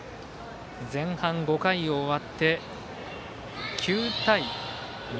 前半５回終わって９対４。